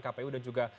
kpu sudah juga